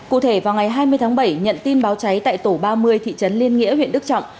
cụ thể vào ngày hai mươi tháng bảy nhận tin báo cháy tại tổ ba mươi thị trấn liên nghĩa huyện đức trọng